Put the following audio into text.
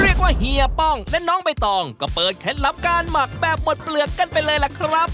เฮียป้องและน้องใบตองก็เปิดเคล็ดลับการหมักแบบหมดเปลือกกันไปเลยล่ะครับ